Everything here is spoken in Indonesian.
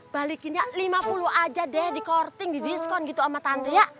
balikin ya lima puluh aja deh di korting di diskon gitu sama tante ya